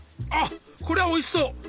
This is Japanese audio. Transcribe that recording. あっこりゃおいしそう。